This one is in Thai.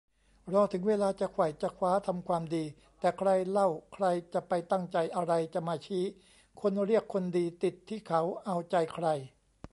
รอถึงเวลาจะไขว่จะคว้าทำความดี แต่ใครเล่าใครจะไปตั้งใจอะไรจะมาชี้ คนเรียกคนดี ติดที่เขาเอาใจใคร